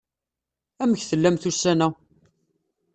Amek tellamt ussan-a?